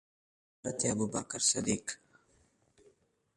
حضرت ابوبکر صدیق